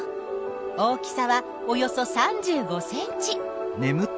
大きさはおよそ３５ｃｍ！